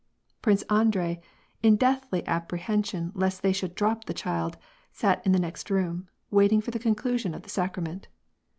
Prince Andrei, in deathly apprehension lest they should drop the child, sat in the next room, waiting for the conclusion of the sacrament.